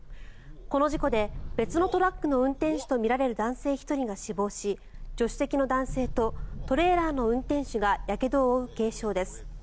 この事故で別のトラックの運転手とみられる男性１人が死亡し助手席の男性とトレーラーの運転手がやけどを負う軽傷です。